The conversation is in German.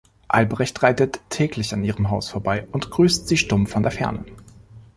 Albrecht reitet täglich an ihrem Haus vorbei und grüßt sie stumm von der Ferne.